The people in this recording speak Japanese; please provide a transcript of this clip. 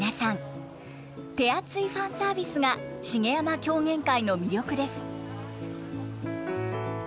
手厚いファンサービスが茂山狂言会の魅力です。